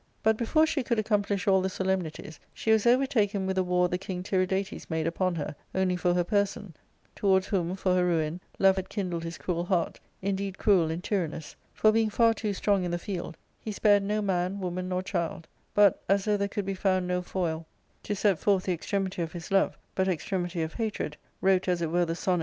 '' But before she could accomplish all the solemnities, she was overtaken with a war the king Tiridates made upon her> only for her person ; towards whom, for her ruin. Love had kindled his cruel heart, indeed cruel and tyrannous ; for„ being far too strong in the field, he spared no man, woman, nor child ; but, as though there could be found no foil to set * ^««a/— Possessed of, used in the present law sense.